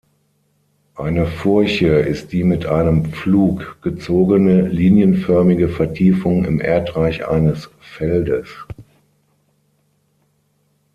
Eine Furche ist die mit einem Pflug gezogene, linienförmige Vertiefung im Erdreich eines Feldes.